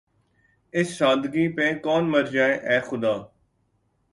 اس سادگی پہ کون مر جائے‘ اے خدا!